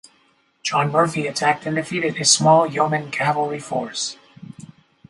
John Murphy attacked and defeated a small yeoman cavalry force.